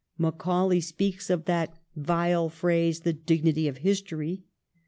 Macaulay speaks of that ' vile phrase, the dignity of history.'